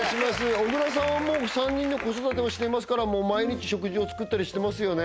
小倉さんは３人の子育てをしていますから毎日食事を作ったりしてますよね